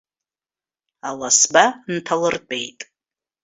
Аласба нҭалыртәеит.